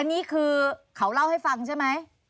อันนี้คือเขาเล่าให้ฟังใช่ไหม